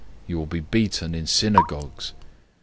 You will be beaten in synagogues.